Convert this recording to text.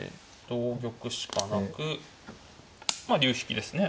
同玉しかなくまあ竜引きですね。